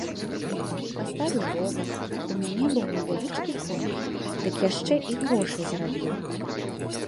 Паставіў ровар, у мяне быў невялічкі комбік, дык яшчэ і грошай зарабіў.